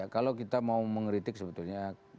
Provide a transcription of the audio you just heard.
kalau kita mau mengkritik sebetulnya